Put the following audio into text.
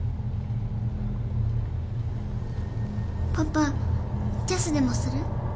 パパチェスでもする？